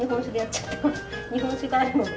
日本酒があるので。